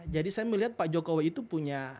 jadi saya melihat pak jokowi itu punya